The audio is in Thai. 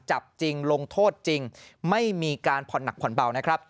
จับจริงลงโทษจริงไม่มีการผ่อนหนักผ่อนเบานะครับ